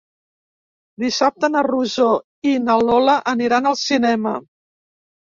Dissabte na Rosó i na Lola aniran al cinema.